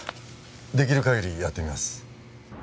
出来る限りやってみます。